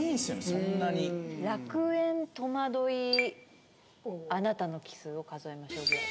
そんなに「楽園」「とまどい」「あなたのキスを数えましょう」ぐらい？